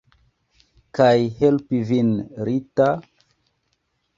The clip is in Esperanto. Kaj helpi vin, Rita?